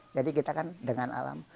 jadi kita kan dengan alam